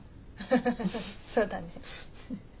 ハハハそうだね。